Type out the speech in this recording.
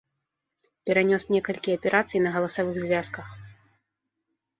Перанёс некалькі аперацый на галасавых звязках.